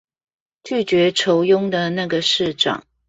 拒絕酬庸的那個市長